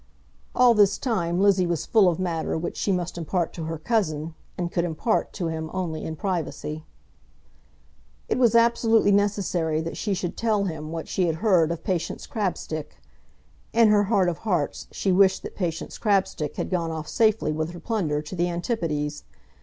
All this time Lizzie was full of matter which she must impart to her cousin, and could impart to him only in privacy. It was absolutely necessary that she should tell him what she had heard of Patience Crabstick. In her heart of hearts she wished that Patience Crabstick had gone off safely with her plunder to the Antipodes.